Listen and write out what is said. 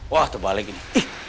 wah terbalik ini